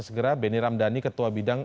segera benny ramdhani ketua bidang